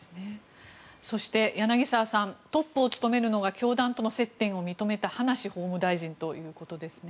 そして柳澤さんトップを務めるのが教団との関係を認めた葉梨さんということです。